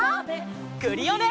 クリオネ！